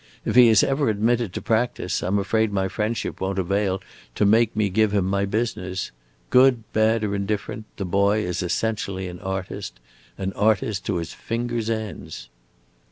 If he is ever admitted to practice I 'm afraid my friendship won't avail to make me give him my business. Good, bad, or indifferent, the boy is essentially an artist an artist to his fingers' ends."